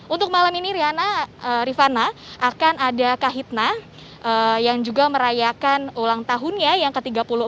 untuk malam ini rifana akan ada kahitna yang juga merayakan ulang tahunnya yang ke tiga puluh empat